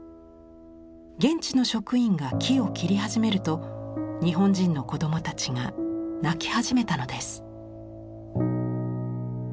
現地の職員が木を切り始めると日本人の子どもたちが泣き始めたのです。